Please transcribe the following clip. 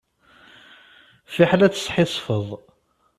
Fiḥel ad tesḥissfeḍ.